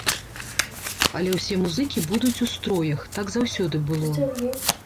Але ўсе музыкі будуць у строях, так заўсёды было.